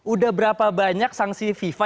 udah berapa banyak sanksi fifa